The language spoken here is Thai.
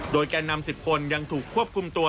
โดยแก่นำ๑๐คนยังถูกควบคุมตัว